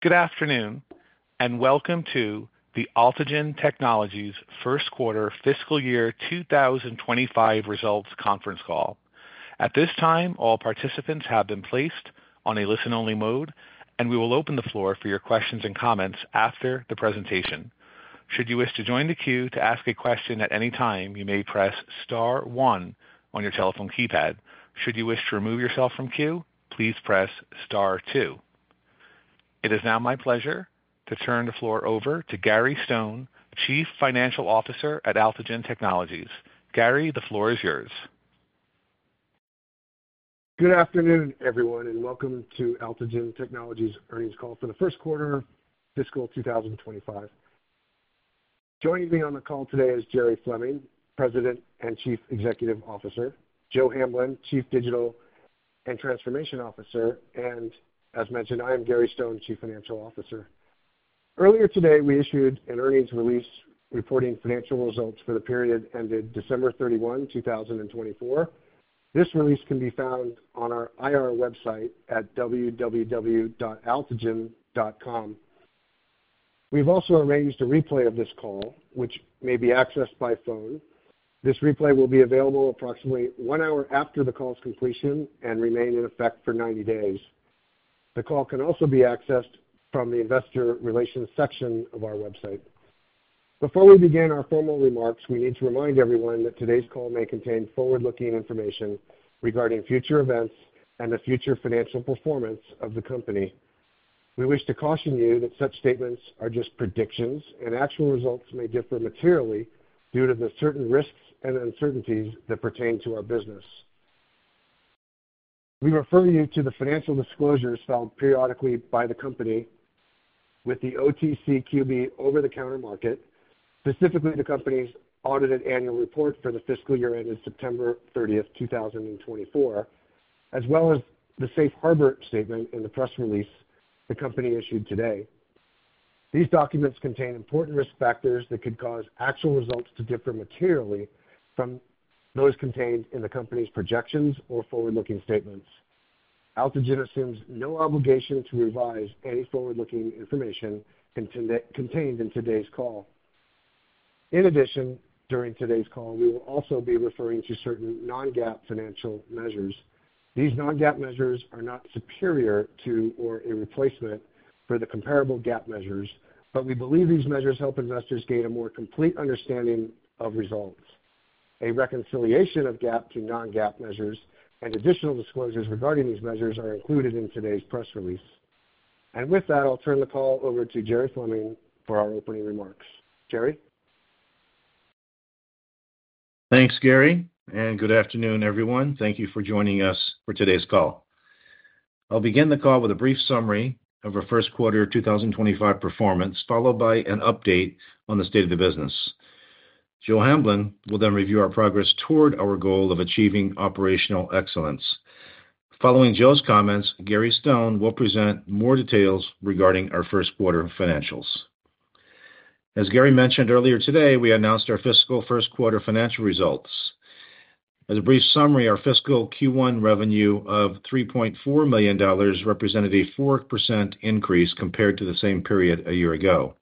Good afternoon, and welcome to the Altigen Technologies' first quarter fiscal year 2025 results conference call. At this time, all participants have been placed on a listen-only mode, and we will open the floor for your questions and comments after the presentation. Should you wish to join the queue to ask a question at any time, you may press star one on your telephone keypad. Should you wish to remove yourself from queue, please press star two. It is now my pleasure to turn the floor over to Gary Stone, Chief Financial Officer at Altigen Technologies. Gary, the floor is yours. Good afternoon, everyone, and welcome to Altigen Technologies' earnings call for the first quarter fiscal 2025. Joining me on the call today is Jerry Fleming, President and Chief Executive Officer, Joe Hamblin, Chief Digital and Transformation Officer, and, as mentioned, I am Gary Stone, Chief Financial Officer. Earlier today, we issued an earnings release reporting financial results for the period ended December 31, 2024. This release can be found on our IR website at www.altigen.com. We have also arranged a replay of this call, which may be accessed by phone. This replay will be available approximately one hour after the call's completion and remain in effect for 90 days. The call can also be accessed from the Investor Relations section of our website. Before we begin our formal remarks, we need to remind everyone that today's call may contain forward-looking information regarding future events and the future financial performance of the company. We wish to caution you that such statements are just predictions, and actual results may differ materially due to the certain risks and uncertainties that pertain to our business. We refer you to the financial disclosures found periodically by the company with the OTCQB over-the-counter market, specifically the company's audited annual report for the fiscal year ended September 30th, 2024, as well as the Safe Harbor statement in the press release the company issued today. These documents contain important risk factors that could cause actual results to differ materially from those contained in the company's projections or forward-looking statements. Altigen assumes no obligation to revise any forward-looking information contained in today's call. In addition, during today's call, we will also be referring to certain non-GAAP financial measures. These non-GAAP measures are not superior to or a replacement for the comparable GAAP measures, but we believe these measures help investors gain a more complete understanding of results. A reconciliation of GAAP to non-GAAP measures and additional disclosures regarding these measures are included in today's press release. With that, I'll turn the call over to Jerry Fleming for our opening remarks. Jerry. Thanks, Gary, and good afternoon, everyone. Thank you for joining us for today's call. I'll begin the call with a brief summary of our first quarter 2025 performance, followed by an update on the state of the business. Joe Hamblin will then review our progress toward our goal of achieving operational excellence. Following Joe's comments, Gary Stone will present more details regarding our first quarter financials. As Gary mentioned earlier today, we announced our fiscal first quarter financial results. As a brief summary, our fiscal Q1 revenue of $3.4 million represented a 4% increase compared to the same period a year ago.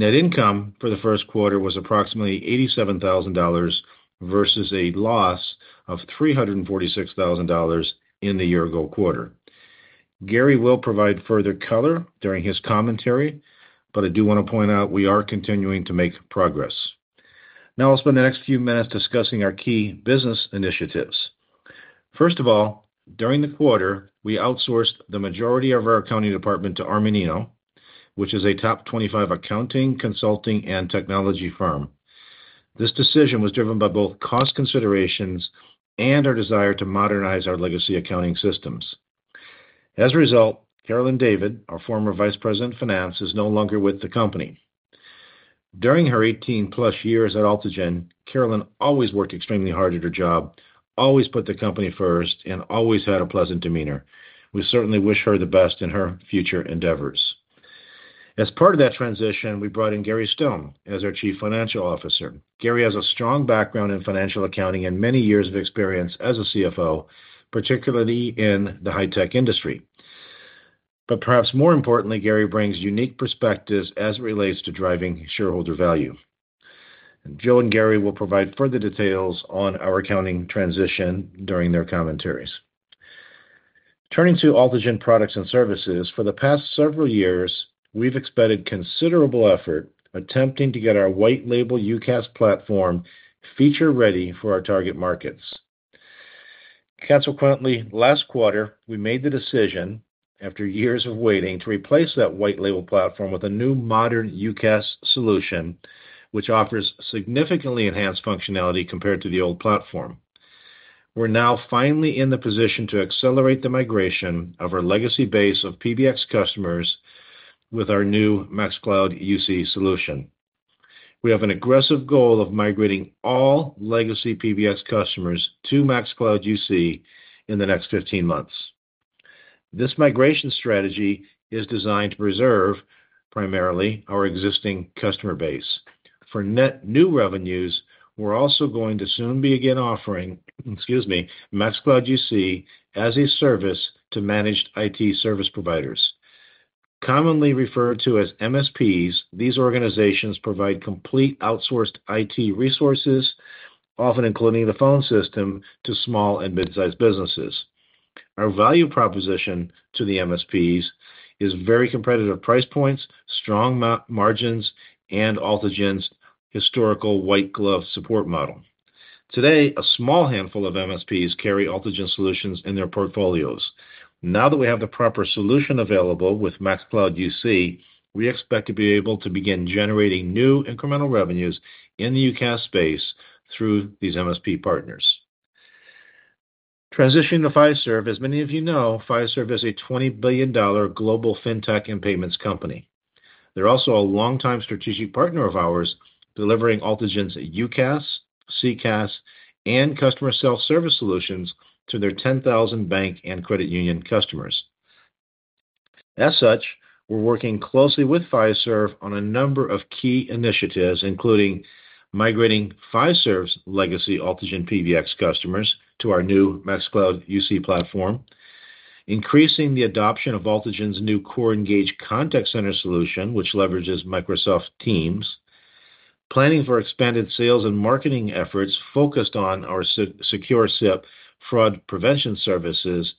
Net income for the first quarter was approximately $87,000 versus a loss of $346,000 in the year-ago quarter. Gary will provide further color during his commentary, but I do want to point out we are continuing to make progress. Now, I'll spend the next few minutes discussing our key business initiatives. First of all, during the quarter, we outsourced the majority of our accounting department to Armanino, which is a top 25 accounting, consulting, and technology firm. This decision was driven by both cost considerations and our desire to modernize our legacy accounting systems. As a result, Carolyn David, our former Vice President of Finance, is no longer with the company. During her 18+ years at Altigen, Carolyn always worked extremely hard at her job, always put the company first, and always had a pleasant demeanor. We certainly wish her the best in her future endeavors. As part of that transition, we brought in Gary Stone as our Chief Financial Officer. Gary has a strong background in financial accounting and many years of experience as a CFO, particularly in the high-tech industry. Perhaps more importantly, Gary brings unique perspectives as it relates to driving shareholder value. Joe and Gary will provide further details on our accounting transition during their commentaries. Turning to Altigen Products and Services, for the past several years, we've expended considerable effort attempting to get our white-label UCaaS platform feature-ready for our target markets. Consequently, last quarter, we made the decision, after years of waiting, to replace that white-label platform with a new modern UCaaS solution, which offers significantly enhanced functionality compared to the old platform. We're now finally in the position to accelerate the migration of our legacy base of PBX customers with our new MaxCloud UC solution. We have an aggressive goal of migrating all legacy PBX customers to MaxCloud UC in the next 15 months. This migration strategy is designed to preserve primarily our existing customer base. For net new revenues, we're also going to soon be again offering, excuse me, MaxCloud UC as a service to managed IT service providers. Commonly referred to as MSPs, these organizations provide complete outsourced IT resources, often including the phone system, to small and mid-sized businesses. Our value proposition to the MSPs is very competitive price points, strong margins, and Altigen's historical white-glove support model. Today, a small handful of MSPs carry Altigen solutions in their portfolios. Now that we have the proper solution available with MaxCloud UC, we expect to be able to begin generating new incremental revenues in the UCaaS space through these MSP partners. Transitioning to Fiserv, as many of you know, Fiserv is a $20 billion global FinTech and payments company. They're also a longtime strategic partner of ours, delivering Altigen's UCaaS, CCaaS, and customer self-service solutions to their 10,000 bank and credit union customers. As such, we're working closely with Fiserv on a number of key initiatives, including migrating Fiserv's legacy Altigen PBX customers to our new MaxCloud UC platform, increasing the adoption of Altigen's new CoreEngage contact center solution, which leverages Microsoft Teams, planning for expanded sales and marketing efforts focused on our Secure SIP fraud prevention services,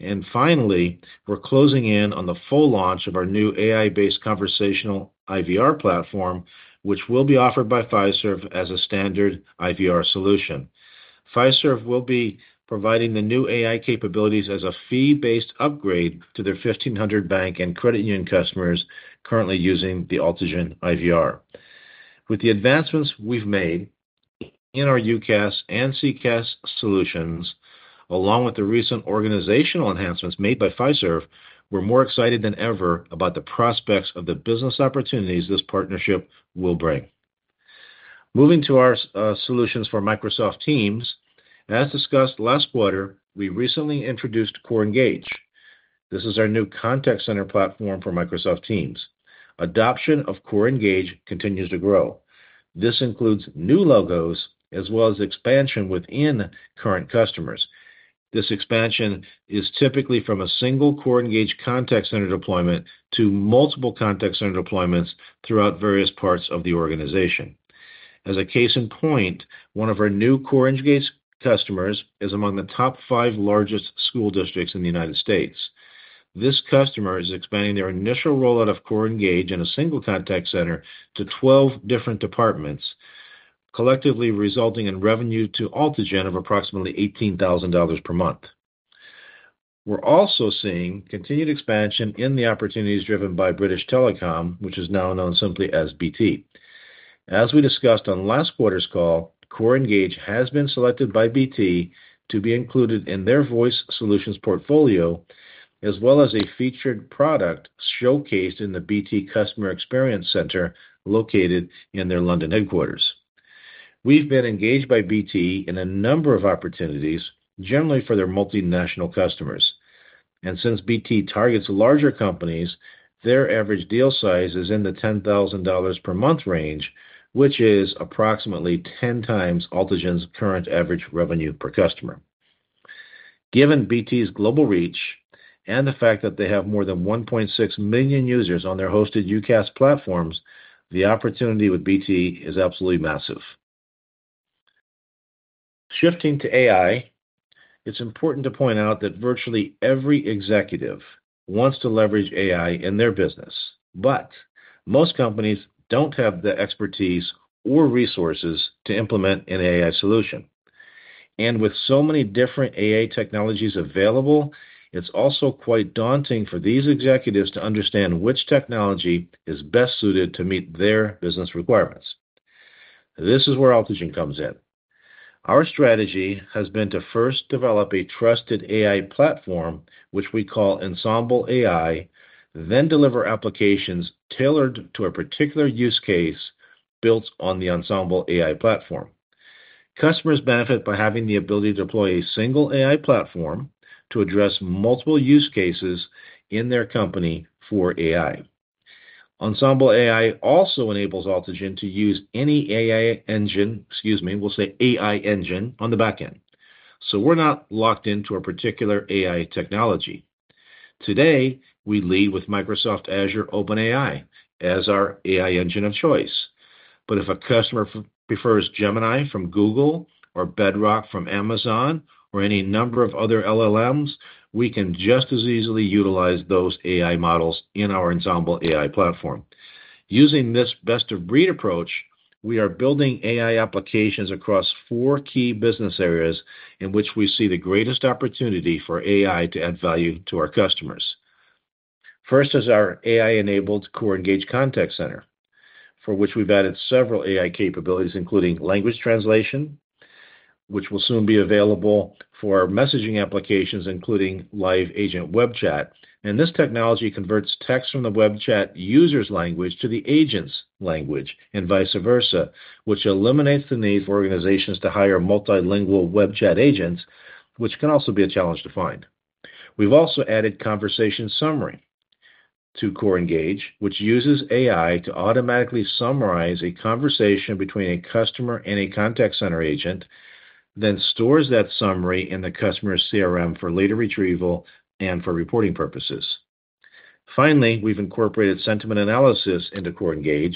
and finally, we're closing in on the full launch of our new AI-based conversational IVR platform, which will be offered by Fiserv as a standard IVR solution. Fiserv will be providing the new AI capabilities as a fee-based upgrade to their 1,500 bank and credit union customers currently using the Altigen IVR. With the advancements we've made in our UCaaS and CCaaS solutions, along with the recent organizational enhancements made by Fiserv, we're more excited than ever about the prospects of the business opportunities this partnership will bring. Moving to our solutions for Microsoft Teams, as discussed last quarter, we recently introduced CoreEngage. This is our new contact center platform for Microsoft Teams. Adoption of CoreEngage continues to grow. This includes new logos as well as expansion within current customers. This expansion is typically from a single CoreEngage contact center deployment to multiple contact center deployments throughout various parts of the organization. As a case in point, one of our new CoreEngage customers is among the top five largest school districts in the United States. This customer is expanding their initial rollout of CoreEngage in a single contact center to 12 different departments, collectively resulting in revenue to Altigen of approximately $18,000 per month. We're also seeing continued expansion in the opportunities driven by British Telecom, which is now known simply as BT. As we discussed on last quarter's call, CoreEngage has been selected by BT to be included in their Voice Solutions portfolio, as well as a featured product showcased in the BT Customer Experience Center located in their London headquarters. We've been engaged by BT in a number of opportunities, generally for their multinational customers. Since BT targets larger companies, their average deal size is in the $10,000 per month range, which is approximately 10x Altigen's current average revenue per customer. Given BT's global reach and the fact that they have more than 1.6 million users on their hosted UCaaS platforms, the opportunity with BT is absolutely massive. Shifting to AI, it's important to point out that virtually every executive wants to leverage AI in their business, but most companies don't have the expertise or resources to implement an AI solution. With so many different AI technologies available, it's also quite daunting for these executives to understand which technology is best suited to meet their business requirements. This is where Altigen comes in. Our strategy has been to first develop a trusted AI platform, which we call Ensemble AI, then deliver applications tailored to a particular use case built on the Ensemble AI platform. Customers benefit by having the ability to deploy a single AI platform to address multiple use cases in their company for AI. Ensemble AI also enables Altigen to use any AI engine—excuse me—we'll say AI engine on the back end. So we're not locked into a particular AI technology. Today, we lead with Microsoft Azure OpenAI as our AI engine of choice. If a customer prefers Gemini from Google or Bedrock from Amazon or any number of other LLMs, we can just as easily utilize those AI models in our Ensemble AI platform. Using this best-of-breed approach, we are building AI applications across four key business areas in which we see the greatest opportunity for AI to add value to our customers. First is our AI-enabled CoreEngage contact center, for which we've added several AI capabilities, including language translation, which will soon be available for messaging applications, including live agent web chat. This technology converts text from the web chat user's language to the agent's language and vice versa, which eliminates the need for organizations to hire multilingual web chat agents, which can also be a challenge to find. We've also added conversation summary to CoreEngage, which uses AI to automatically summarize a conversation between a customer and a contact center agent, then stores that summary in the customer's CRM for later retrieval and for reporting purposes. Finally, we've incorporated sentiment analysis into CoreEngage,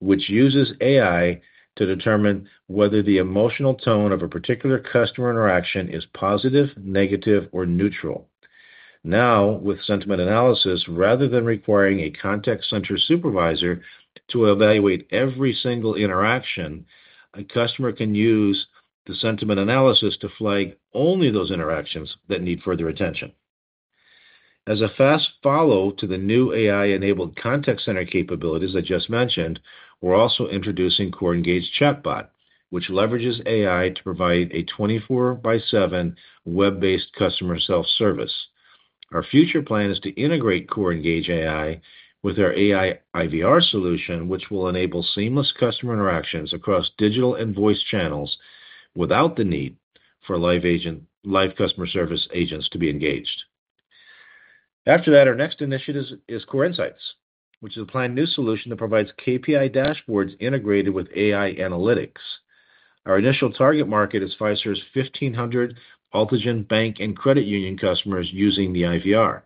which uses AI to determine whether the emotional tone of a particular customer interaction is positive, negative, or neutral. Now, with sentiment analysis, rather than requiring a contact center supervisor to evaluate every single interaction, a customer can use the sentiment analysis to flag only those interactions that need further attention. As a fast follow to the new AI-enabled contact center capabilities I just mentioned, we're also introducing CoreEngage Chatbot, which leverages AI to provide a 24/7 web-based customer self-service. Our future plan is to integrate CoreEngage AI with our AI IVR solution, which will enable seamless customer interactions across digital and voice channels without the need for live customer service agents to be engaged. After that, our next initiative is CoreInsights, which is a planned new solution that provides KPI dashboards integrated with AI analytics. Our initial target market is Fiserv's 1,500 Altigen bank and credit union customers using the IVR.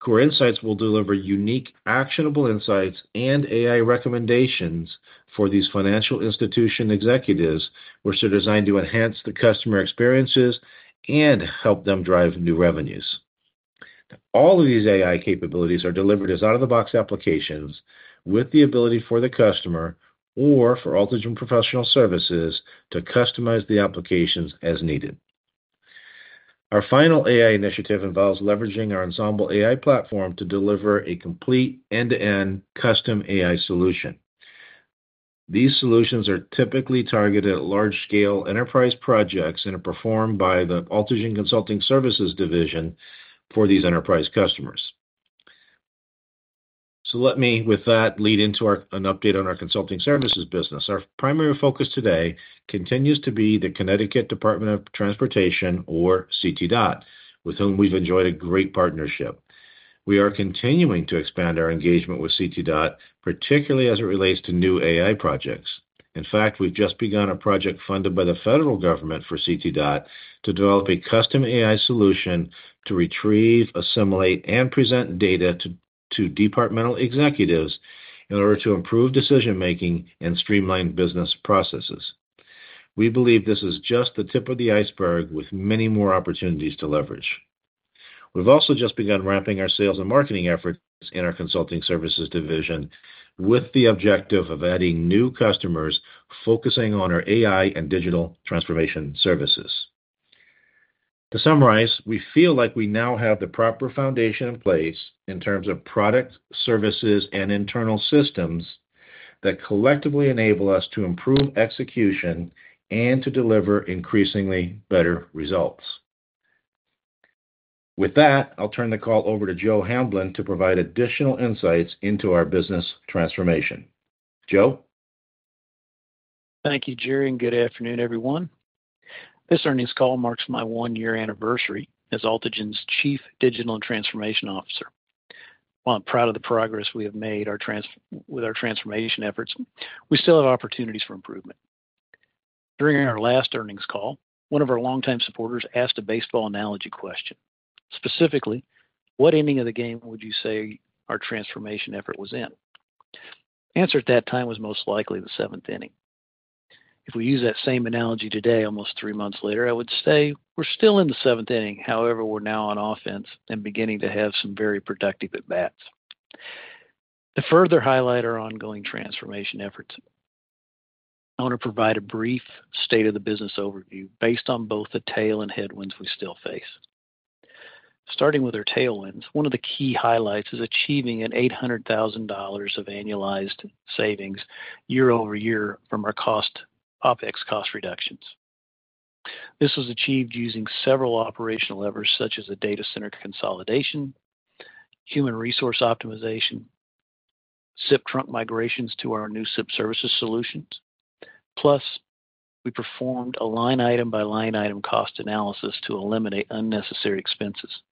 CoreInsights will deliver unique actionable insights and AI recommendations for these financial institution executives, which are designed to enhance the customer experiences and help them drive new revenues. All of these AI capabilities are delivered as out-of-the-box applications with the ability for the customer or for Altigen Professional Services to customize the applications as needed. Our final AI initiative involves leveraging our Ensemble AI platform to deliver a complete end-to-end custom AI solution. These solutions are typically targeted at large-scale enterprise projects and are performed by the Altigen Consulting Services division for these enterprise customers. Let me, with that, lead into an update on our consulting services business. Our primary focus today continues to be the Connecticut Department of Transportation, or CTDOT, with whom we've enjoyed a great partnership. We are continuing to expand our engagement with CTDOT, particularly as it relates to new AI projects. In fact, we've just begun a project funded by the federal government for CTDOT to develop a custom AI solution to retrieve, assimilate, and present data to departmental executives in order to improve decision-making and streamline business processes. We believe this is just the tip of the iceberg with many more opportunities to leverage. We've also just begun ramping our sales and marketing efforts in our consulting services division with the objective of adding new customers focusing on our AI and digital transformation services. To summarize, we feel like we now have the proper foundation in place in terms of product services and internal systems that collectively enable us to improve execution and to deliver increasingly better results. With that, I'll turn the call over to Joe Hamblin to provide additional insights into our business transformation. Joe. Thank you, Jerry. And good afternoon, everyone. This earnings call marks my one-year anniversary as Altigen's Chief Digital and Transformation Officer. While I'm proud of the progress we have made with our transformation efforts, we still have opportunities for improvement. During our last earnings call, one of our longtime supporters asked a baseball analogy question. Specifically, what inning of the game would you say our transformation effort was in? The answer at that time was most likely the seventh inning. If we use that same analogy today, almost three months later, I would say we're still in the seventh inning. However, we're now on offense and beginning to have some very productive at-bats. To further highlight our ongoing transformation efforts, I want to provide a brief state-of-the-business overview based on both the tail and headwinds we still face. Starting with our tailwinds, one of the key highlights is achieving an $800,000 of annualized savings year over year from our OpEx cost reductions. This was achieved using several operational levers, such as a data center consolidation, human resource optimization, SIP trunk migrations to our new SIP services solutions, plus we performed a line-item-by-line-item cost analysis to eliminate unnecessary expenses.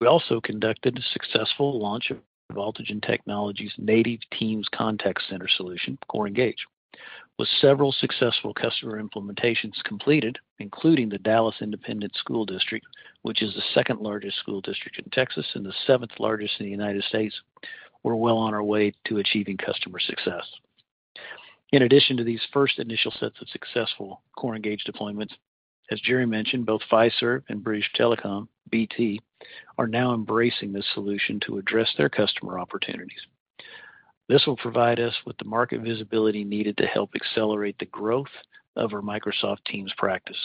We also conducted a successful launch of Altigen Technologies' native Teams contact center solution, CoreEngage. With several successful customer implementations completed, including the Dallas Independent School District, which is the second-largest school district in Texas and the seventh-largest in the United States, we're well on our way to achieving customer success. In addition to these first initial sets of successful CoreEngage deployments, as Jerry mentioned, both Fiserv and British Telecom, BT, are now embracing this solution to address their customer opportunities. This will provide us with the market visibility needed to help accelerate the growth of our Microsoft Teams practice.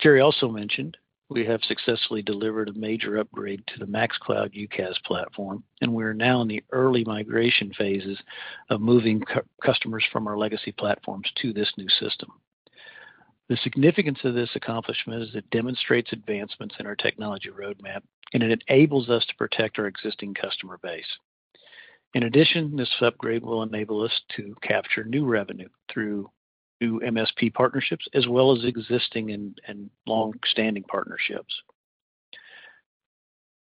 Jerry also mentioned we have successfully delivered a major upgrade to the MaxCloud UCaaS platform, and we are now in the early migration phases of moving customers from our legacy platforms to this new system. The significance of this accomplishment is it demonstrates advancements in our technology roadmap, and it enables us to protect our existing customer base. In addition, this upgrade will enable us to capture new revenue through new MSP partnerships as well as existing and long-standing partnerships.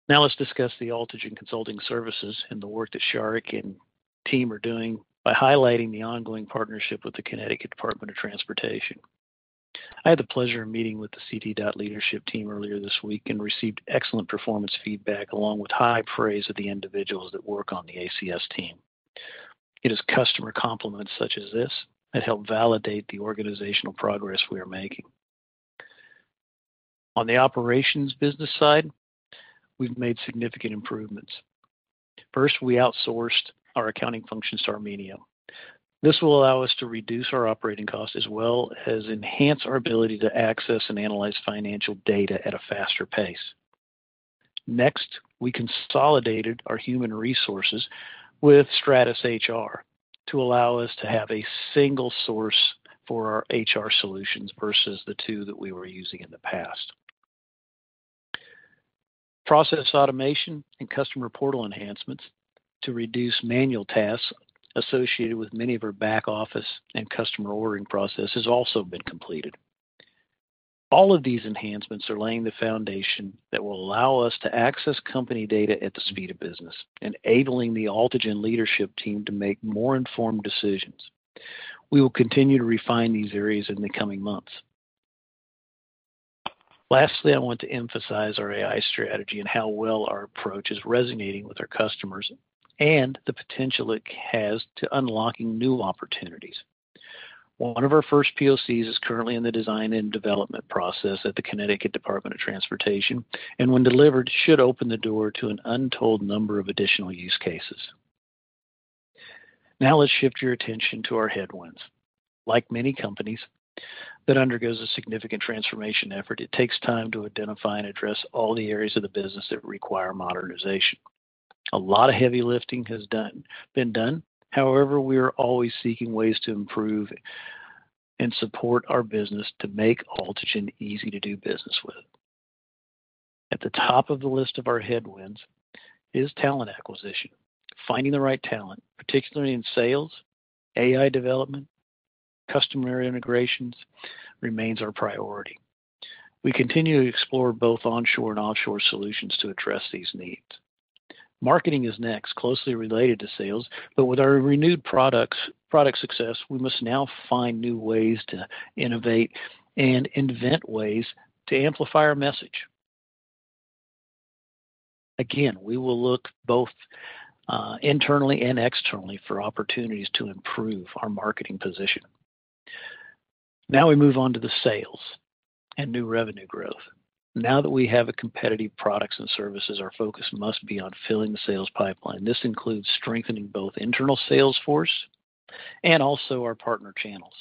Now, let's discuss the Altigen Consulting Services and the work that Shariqu and team are doing by highlighting the ongoing partnership with the Connecticut Department of Transportation. I had the pleasure of meeting with the CTDOT leadership team earlier this week and received excellent performance feedback along with high praise of the individuals that work on the ACS team. It is customer compliments such as this that help validate the organizational progress we are making. On the operations business side, we've made significant improvements. First, we outsourced our accounting function to Armanino. This will allow us to reduce our operating costs as well as enhance our ability to access and analyze financial data at a faster pace. Next, we consolidated our human resources with Stratus HR to allow us to have a single source for our HR solutions versus the two that we were using in the past. Process automation and customer portal enhancements to reduce manual tasks associated with many of our back office and customer ordering processes have also been completed. All of these enhancements are laying the foundation that will allow us to access company data at the speed of business, enabling the Altigen leadership team to make more informed decisions. We will continue to refine these areas in the coming months. Lastly, I want to emphasize our AI strategy and how well our approach is resonating with our customers and the potential it has to unlocking new opportunities. One of our first POCs is currently in the design and development process at the Connecticut Department of Transportation, and when delivered, should open the door to an untold number of additional use cases. Now, let's shift your attention to our headwinds. Like many companies that undergo a significant transformation effort, it takes time to identify and address all the areas of the business that require modernization. A lot of heavy lifting has been done. However, we are always seeking ways to improve and support our business to make Altigen easy to do business with. At the top of the list of our headwinds is talent acquisition. Finding the right talent, particularly in sales, AI development, and customer integrations, remains our priority. We continue to explore both onshore and offshore solutions to address these needs. Marketing is next, closely related to sales, but with our renewed product success, we must now find new ways to innovate and invent ways to amplify our message. Again, we will look both internally and externally for opportunities to improve our marketing position. Now, we move on to the sales and new revenue growth. Now that we have a competitive product and services, our focus must be on filling the sales pipeline. This includes strengthening both internal sales force and also our partner channels.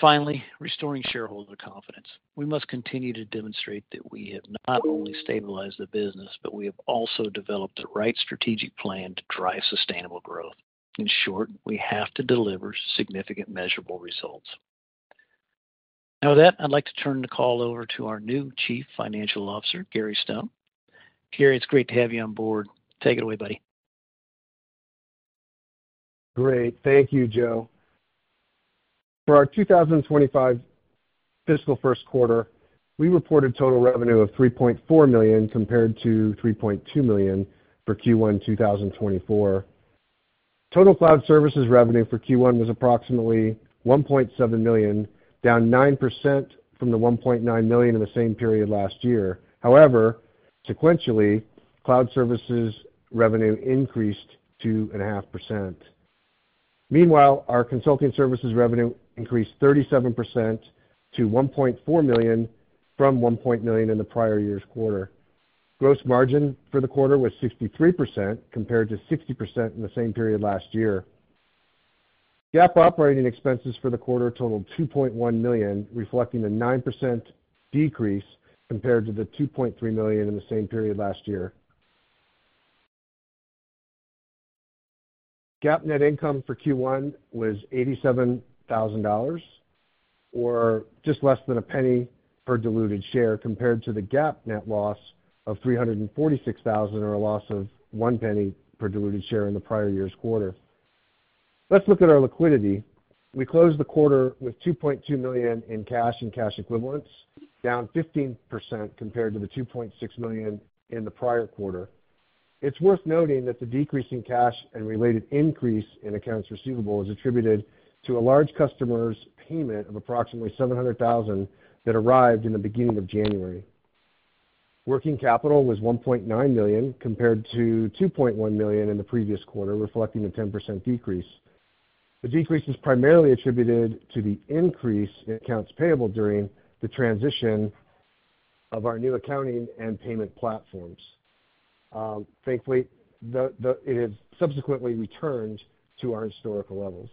Finally, restoring shareholder confidence. We must continue to demonstrate that we have not only stabilized the business, but we have also developed the right strategic plan to drive sustainable growth. In short, we have to deliver significant measurable results. Now, with that, I'd like to turn the call over to our new Chief Financial Officer, Gary Stone. Gary, it's great to have you on board. Take it away, buddy. Great. Thank you, Joe. For our 2025 fiscal first quarter, we reported total revenue of $3.4 million compared to $3.2 million for Q1 2024. Total cloud services revenue for Q1 was approximately $1.7 million, down 9% from the $1.9 million in the same period last year. However, sequentially, cloud services revenue increased 2.5%. Meanwhile, our consulting services revenue increased 37% to $1.4 million from $1.9 million in the prior year's quarter. Gross margin for the quarter was 63% compared to 60% in the same period last year. GAAP operating expenses for the quarter totaled $2.1 million, reflecting a 9% decrease compared to the $2.3 million in the same period last year. GAAP net income for Q1 was $87,000, or just less than a penny per diluted share compared to the GAAP net loss of $346,000, or a loss of one penny per diluted share in the prior year's quarter. Let's look at our liquidity. We closed the quarter with $2.2 million in cash and cash equivalents, down 15% compared to the $2.6 million in the prior quarter. It's worth noting that the decrease in cash and related increase in accounts receivable is attributed to a large customer's payment of approximately $700,000 that arrived in the beginning of January. Working capital was $1.9 million compared to $2.1 million in the previous quarter, reflecting a 10% decrease. The decrease is primarily attributed to the increase in accounts payable during the transition of our new accounting and payment platforms. Thankfully, it has subsequently returned to our historical levels.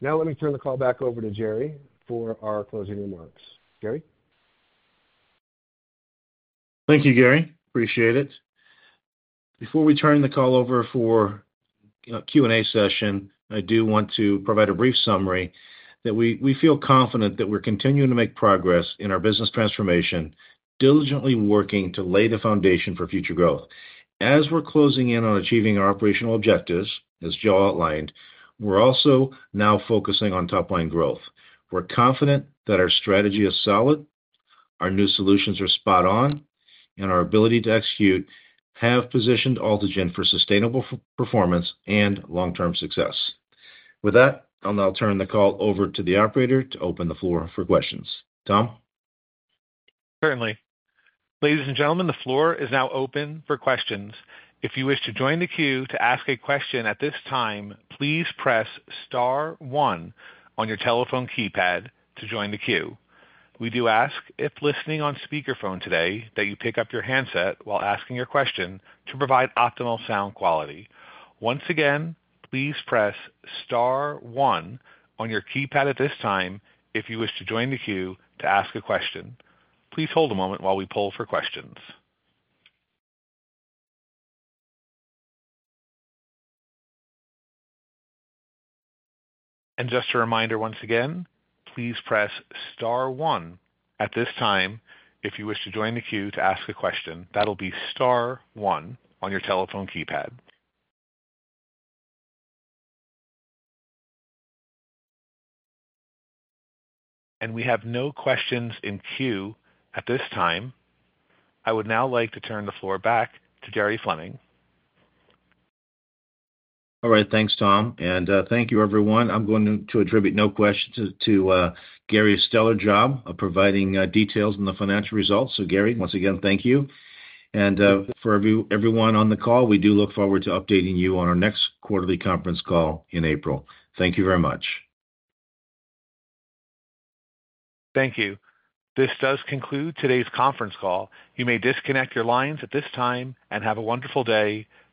Now, let me turn the call back over to Jerry for our closing remarks. Jerry. Thank you, Gary. Appreciate it. Before we turn the call over for a Q&A session, I do want to provide a brief summary that we feel confident that we're continuing to make progress in our business transformation, diligently working to lay the foundation for future growth. As we're closing in on achieving our operational objectives, as Joe outlined, we're also now focusing on top-line growth. We're confident that our strategy is solid, our new solutions are spot on, and our ability to execute have positioned Altigen for sustainable performance and long-term success. With that, I'll now turn the call over to the operator to open the floor for questions. Tom? Certainly. Ladies and gentlemen, the floor is now open for questions. If you wish to join the queue to ask a question at this time, please press star one on your telephone keypad to join the queue. We do ask if listening on speakerphone today that you pick up your handset while asking your question to provide optimal sound quality. Once again, please press star one on your keypad at this time if you wish to join the queue to ask a question. Please hold a moment while we pull for questions. Just a reminder once again, please press star one at this time if you wish to join the queue to ask a question. That'll be star one on your telephone keypad. We have no questions in queue at this time. I would now like to turn the floor back to Jerry Fleming. All right. Thanks, Tom. Thank you, everyone. I'm going to attribute no questions to Gary's stellar job of providing details in the financial results. Gary, once again, thank you. For everyone on the call, we do look forward to updating you on our next quarterly conference call in April. Thank you very much. Thank you. This does conclude today's conference call. You may disconnect your lines at this time and have a wonderful day. Thanks.